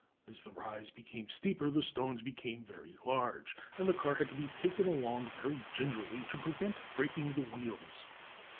As the rise became steeper the stones became very large, and the car had to be taken along very gingerly to prevent breaking the wheels.